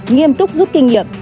nghiêm túc giúp kinh nghiệm